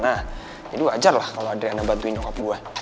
nah jadi wajar lah kalau adriana bantuin nyokap gue